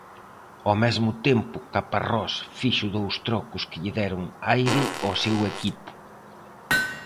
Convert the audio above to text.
Ó mesmo tempo, Caparrós fixo dous trocos que lle deron aire ó seu equipo.